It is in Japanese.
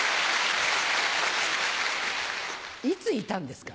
いついたんですか？